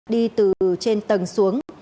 đi từ trên tầng xuống